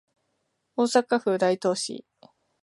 大阪府大東市